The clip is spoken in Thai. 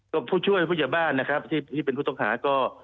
ก็ผู้ช่วยผู้ใหญ่บ้านนะครับที่เป็นผู้ต้องหาก็